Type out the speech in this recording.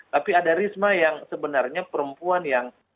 tapi ada risma yang sebenarnya perempuan yang